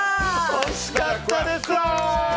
惜しかったです！